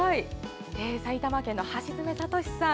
埼玉県の橋爪悟司さん。